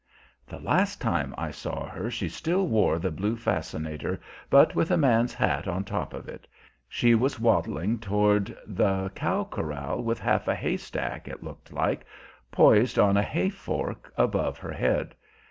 (The last time I saw her she still wore the blue fascinator, but with a man's hat on top of it; she was waddling toward the cow corral with half a haystack, it looked like, poised on a hay fork above her head.